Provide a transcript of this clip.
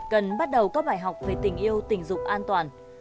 cần bắt đầu các bài học về tình yêu tình dục an toàn